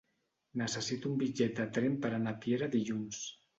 Necessito un bitllet de tren per anar a Piera dilluns.